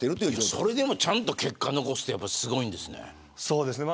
それでも、ちゃんと結果残すのはすごいんですね。